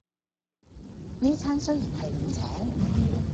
呢餐雖然係你請